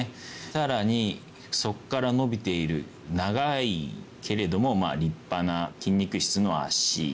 さらにそっから伸びている長いけれども立派な筋肉質の足。